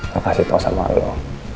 gue kasih tau sama lo